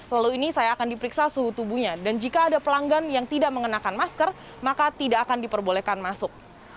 lalu ini saya akan diperiksa suhu tubuhnya dan jika ada pelanggan yang tidak mengenakan masker maka tidak akan diperbolehkan masuk